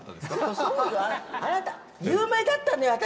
そうよ、あなた有名だったのよ、私。